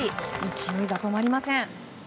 勢いが止まりません。